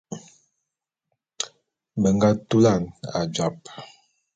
Be nga tulan ajap.